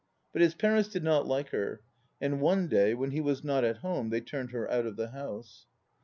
But his parents did not like her, and one day when he was not at home, they turned her out of the house.